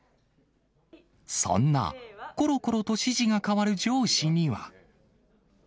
そんなころころと指示が変わる上司には。